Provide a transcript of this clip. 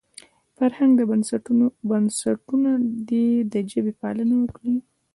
فرهنګي بنسټونه دې د ژبې پالنه وکړي.